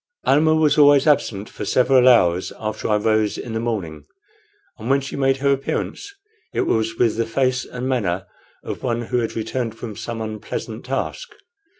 Almah was always absent for several hours after I rose in the morning, and when she made her appearance it was with the face and manner of one who had returned from some unpleasant task.